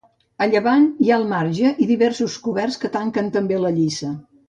A llevant hi ha el marge i diversos coberts que tanquen també la lliça.